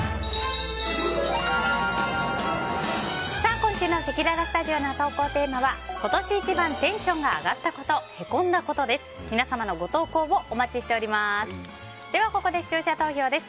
今週のせきららスタジオの投稿テーマは今年一番テンションが上がったこと＆へこんだことです。